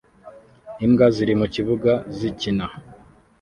Imbwa ziri mukibuga zikina